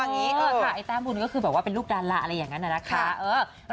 ใช่ไงแต้มบุญก็คือบอกก็เป็นลูกดาราอะไรอย่างนั้นแล้วนะคะ